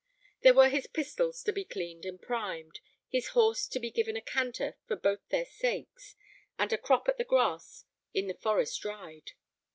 There were his pistols to be cleaned and primed, his horse to be given a canter for both their sakes, and a crop at the grass in the forest ride.